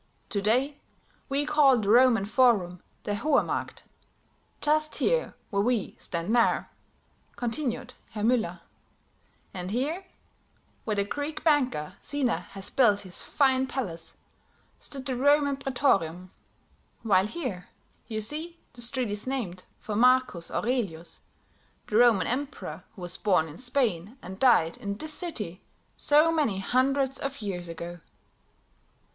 To day, we call the Roman forum the Hohermarkt, just here where we stand now," continued Herr Müller, "and here, where the Greek banker Sina has built this fine palace, stood the Roman praetorium; while here, you see the street is named for Marcus Aurelius, the Roman emperor who was born in Spain and died in this city so many hundreds of years ago."